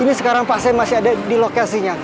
ini sekarang pak saya masih ada di lokasinya